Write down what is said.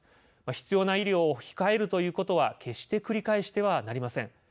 必要な医療を控えるということは決して繰り返してはなりません。